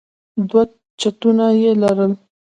دوه چتونه يې لرل.